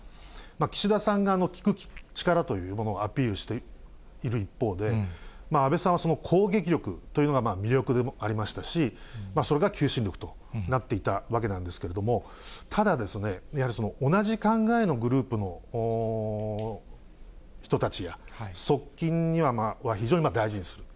岸田さんが聞く力というものをアピールしている一方で、安倍さんは攻撃力というのが魅力でもありましたし、それが求心力となっていたわけなんですけれども、ただ、同じ考えのグループの人たちや、側近は非常に大事にする。